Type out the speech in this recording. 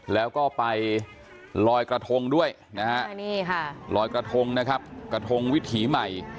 แล้วก็ไปลอยกระทงด้วยลอยกระทงวิถีใหม่